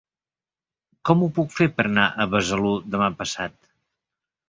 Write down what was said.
Com ho puc fer per anar a Besalú demà passat?